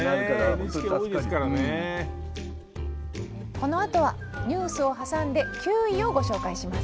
このあとはニュースを挟んで９位をご紹介します。